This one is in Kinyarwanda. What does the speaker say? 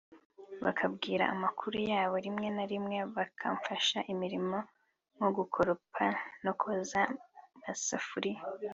bakambwira amakuru yabo rimwe na rimwe bakamfasha imirimo nko gukoropa no koza amasafuriya